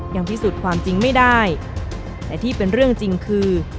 ยังพิสูจน์ความจริงไม่ได้แต่ที่เป็นเรื่องจริงคือ